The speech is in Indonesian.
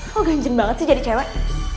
lo ganjen banget sih jadi cewek